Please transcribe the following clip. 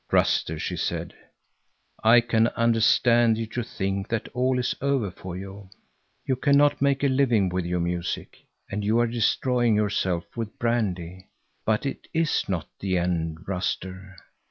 "Ruster," she said, "I can understand that you think that all is over for you. You cannot make a living with your music, and you are destroying yourself with brandy. But it is not the end, Ruster."